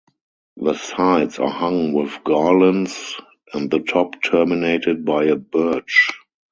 The sides are hung with garlands and the top terminated by a birch.